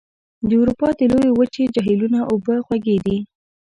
د اروپا د لویې وچې جهیلونو اوبه خوږې دي.